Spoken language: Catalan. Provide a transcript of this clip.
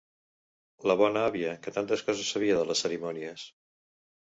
La bona àvia, que tantes coses sabia de les cerimònies.